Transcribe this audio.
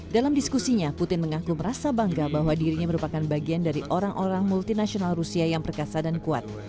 dalam diskusinya putin mengaku merasa bangga bahwa dirinya merupakan bagian dari orang orang multinasional rusia yang perkasa dan kuat